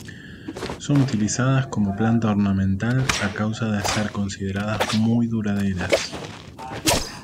Son utilizadas como planta ornamental a causa de ser consideradas muy duraderas.